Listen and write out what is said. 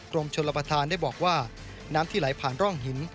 กรมชนรับประทานได้บอกว่าน้ำที่ไหลผ่านร่องหิน